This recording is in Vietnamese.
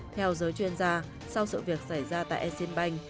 theo giới chuyên gia sau sự việc xảy ra tại exinbank